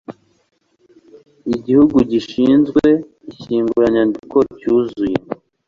igihugu gishinzwe ishyinguranyandiko cyuzuye